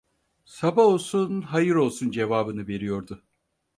Sabah olsun, hayır olsun, cevabını veriyordu.